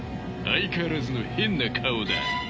相変わらずの変な顔だ。